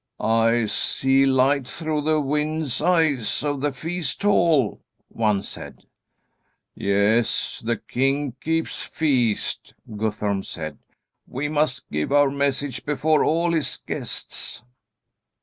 "I see light through the wind's eyes of the feast hall," one said. "Yes, the king keeps feast," Guthorm said. "We must give our message before all his guests."